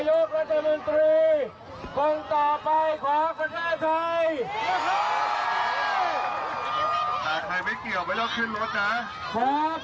วันใหม่ของประชาชนมาถึงแล้วครับ